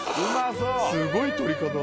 すごい撮り方だ。